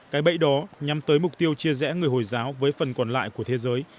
cái bẫy đó nhằm tới mục tiêu chia rẽ người hồi giáo với phần còn lại của thế giới